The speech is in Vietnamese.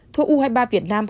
thua u hai mươi ba việt nam ba